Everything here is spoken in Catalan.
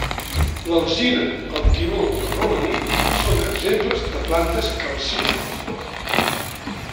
L'alzina, el timó i el romaní són exemples de plantes calcícoles.